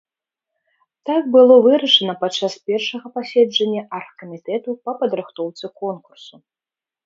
Так было вырашана падчас першага паседжання аргкамітэту па падрыхтоўцы конкурсу.